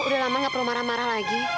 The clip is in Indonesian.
udah lama gak perlu marah marah lagi